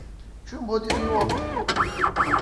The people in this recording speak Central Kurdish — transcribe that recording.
چوون بۆ دیزنی وۆرڵد.